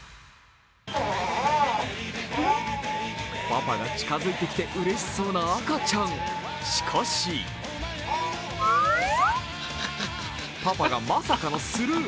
パパが近づいてきてうれしそうな赤ちゃん、しかしパパがまさかのスルー。